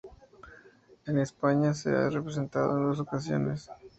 En España se ha representado en dos ocasiones.